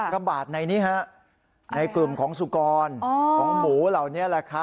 ระบาดในกลุ่มสุกรของหมูเหล่านี้